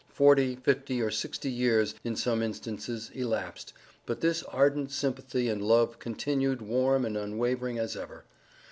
Forty, fifty, or sixty years, in some instances elapsed, but this ardent sympathy and love continued warm and unwavering as ever.